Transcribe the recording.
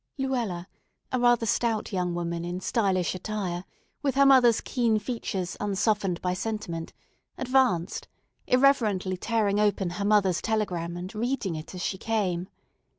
Luella, a rather stout young woman in stylish attire, with her mother's keen features unsoftened by sentiment, advanced, irreverently tearing open her mother's telegram and reading it as she came.